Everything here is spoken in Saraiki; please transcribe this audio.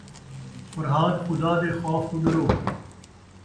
فرھاد خدا دے خوف توں ݙرو